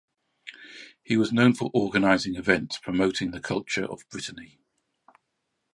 He was known for organizing events promoting the culture of Brittany.